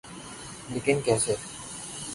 لیکن کیسے؟